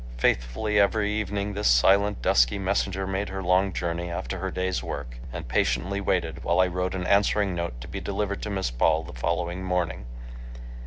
Faithfully every evening this silent, dusky messenger made her long journey after her day's work, and patiently waited while I wrote an answering note to be delivered to Miss Paul the following morning.